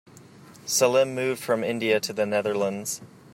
Salim moved from India to the Netherlands.